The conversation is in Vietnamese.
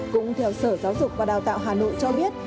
cũng theo sở giáo dục và đào tạo hà nội cho biết